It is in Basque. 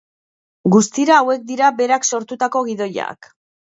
Guztira hauek dira berak sortutako gidoiak.